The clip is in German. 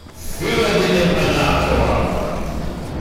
Für den Imperator!